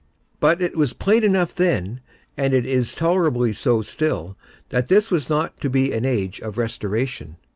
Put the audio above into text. But it was plain enough then, and it is tolerably so still, that this was not to be an age of restoration.